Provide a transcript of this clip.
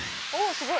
すごい。